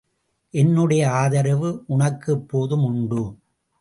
என்னுடைய ஆதரவு உனக்கு எப்போதும் உண்டு.